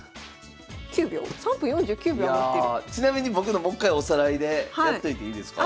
ちなみに僕のもっかいおさらいでやっといていいですか？